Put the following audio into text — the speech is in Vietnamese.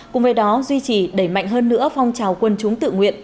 cùng với đó duy trì đẩy mạnh hơn nữa phong trào quân chúng tự nguyện